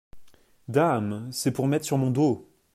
Dame ! c’est pour mettre sur mon dos.